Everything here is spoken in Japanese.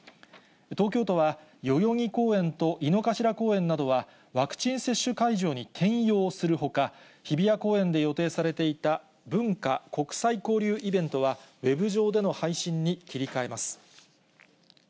東京都は、代々木公園と井の頭公園などは、ワクチン接種会場に転用するほか、日比谷公園で予定されていた文化・国際交流イベントは、ウェブ上での配信に切り替えます。